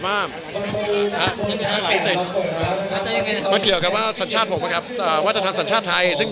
ลูกเขามีสิทธิ์ที่สั่นชาติอยู่แล้วครับ